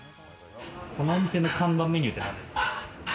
このお店の看板メニューって何ですか？